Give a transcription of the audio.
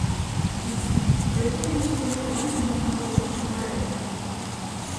Дійсно, про які логічні міркування можна було тут говорити?